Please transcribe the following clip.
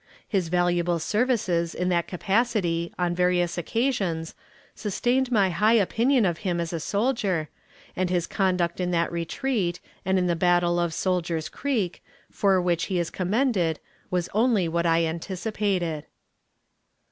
His valuable services in that capacity, on various occasions, sustained my high opinion of him as a soldier, and his conduct on that retreat, and in the battle of "Sailor's Creek," for which he is commended, was only what I anticipated.